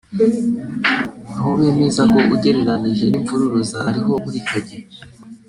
aho bemeza ko ugereranyije n’imvururu zariho muri icyo gihe